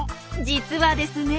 実はですね。